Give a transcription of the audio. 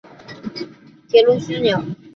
该城也是铁路枢纽。